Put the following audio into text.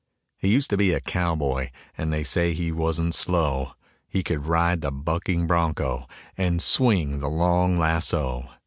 He used to be a cowboy And they say he wasn't slow, He could ride the bucking bronco And swing the long lasso.